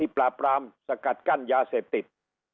ปราบรามสกัดกั้นยาเสพติด